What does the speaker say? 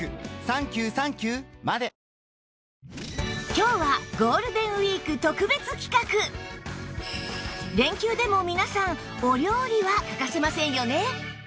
今日は連休でも皆さんお料理は欠かせませんよね！